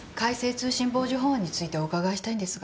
通信傍受法案についてお伺いしたいんですが。